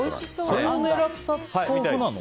それを狙った豆腐なの？